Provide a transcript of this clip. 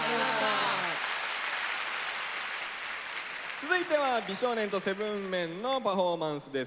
続いては美少年とセブンメンのパフォーマンスです。